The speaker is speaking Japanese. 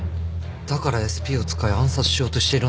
だからＳＰを使い暗殺しようとしているのか。